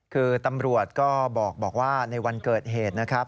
คือตำรวจก็บอกว่าในวันเกิดเหตุนะครับ